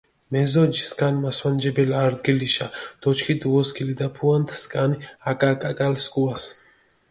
მეზოჯი სქანი მასვანჯებელი არდგილიშა დო ჩქი დჷვოსქილიდაფუანთ სქანი აკა კაკალი სქუას.